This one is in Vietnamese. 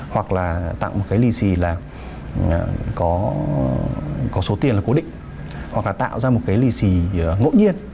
hoặc là tặng một cái lì xì là có số tiền là cố định hoặc là tạo ra một cái lì xì ngẫu nhiên